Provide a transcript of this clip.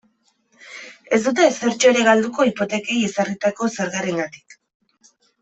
Ez dute ezertxo ere galduko hipotekei ezarritako zergarengatik.